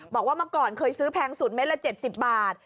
บอกว่าเมื่อก่อนเคยซื้อแพงสุดเม็ดละ๗๐บาท